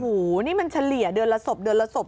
โอ้โฮนี่มันเฉลี่ยเดือนละศพ